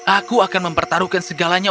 aku akan mempertaruhkan segalanya